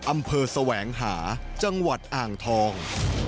อำเภอแสวงหาจังหวัดอ่างทอง